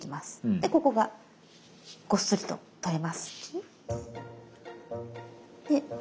でここがごっそりと取れます。